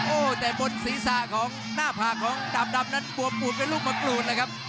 โอ้แต่ปนศีรษะของหน้าผากของดำณปวดเป็นลูกปะกรูดเลยครับ